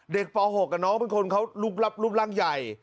เด็กป๖แล้วน้องเป็นคนที่คลับรุ่นรังใหญ่